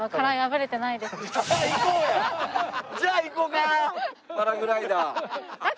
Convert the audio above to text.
じゃあ行こうか！